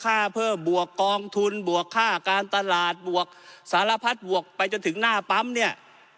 เพิ่มบวกกองทุนบวกค่าการตลาดบวกสารพัดบวกไปจนถึงหน้าปั๊มเนี่ย